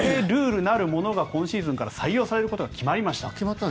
ルールなるものが今シーズンから採用されることが決まりました。